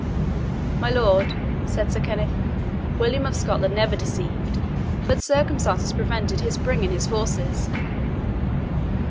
"My lord," said Sir Kenneth, "William of Scotland never deceived; but circumstances prevented his bringing his forces."